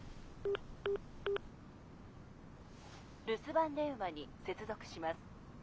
留守番電話に接続します。